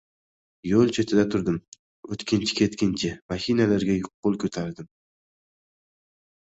Yo‘l chetida turdim, o‘tkinchi-ketkinchi mashi- nalarga qo‘l ko‘tardim.